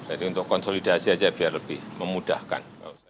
jadi untuk konsolidasi saja biar lebih memudahkan